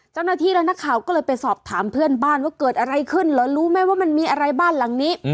เจ้าหน้าที่และนักข่าวก็เลยไปสอบถามเพื่อนบ้านว่าเกิดอะไรขึ้นเหรอรู้ไหมว่ามันมีอะไรบ้านหลังนี้